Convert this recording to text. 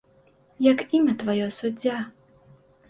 Як імя тваё, суддзя?